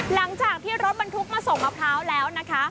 หลังจากที่รถบรรทุกมาส่งมะพร้าวแล้วนะคะ